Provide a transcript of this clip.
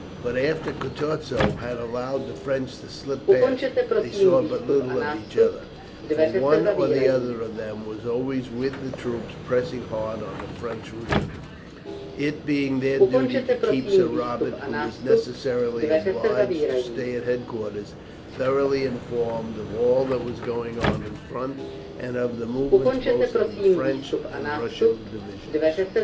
But after Kutusow had allowed the French to slip past they saw but little of each other, for one or other of them was always with the troops pressing hard on the French rear, it being their duty to keep Sir Robert, who was necessarily obliged to stay at headquarters, thoroughly informed of all that was going on in front, and of the movements both of the French and Russian divisions.